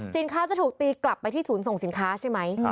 สินค้าจะถูกตีกลับไปที่ศูนย์ส่งสินค้าใช่ไหม